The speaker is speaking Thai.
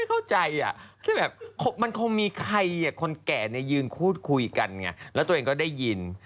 ฟาเรนไฮน์ฟาเรนไฮน์หมื่นฟาเรนไฮน์